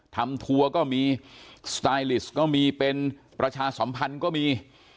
ทัวร์ก็มีสไตลิสต์ก็มีเป็นประชาสัมพันธ์ก็มี